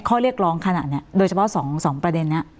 ข้อเรียกร้องขนาดนี้โดยเฉพาะ๒ประเด็นนี้